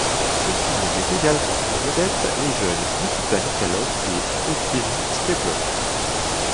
Ce film met également en vedettes les jeunes Nikita Mikhalkov et Evgueni Steblov.